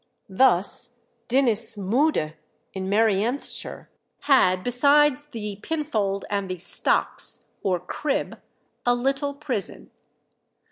Thus Dinas Mwddy, in Merionethshire, had, "besides the pinfold and the stocks or crib, a little prison."